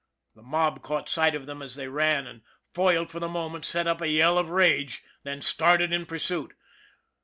The mob caught sight of them as they ran and, foiled for the moment, sent up a yell of rage then started in pursuit.